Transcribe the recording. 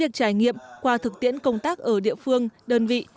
việc trải nghiệm qua thực tiễn công tác ở địa phương đơn vị